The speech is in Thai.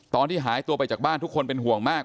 ตอนที่หายตัวไปจากบ้านทุกคนเป็นห่วงมาก